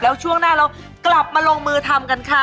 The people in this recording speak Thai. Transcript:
แล้วช่วงหน้าเรากลับมาลงมือทำกันค่ะ